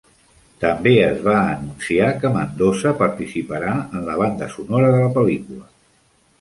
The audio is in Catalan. També es va anunciar que Mandoza participarà en la banda sonora de la pel·lícula.